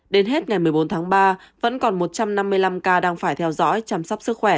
đến hết ngày một mươi bốn tháng ba vẫn còn một trăm năm mươi năm ca đang phải theo dõi chăm sóc sức khỏe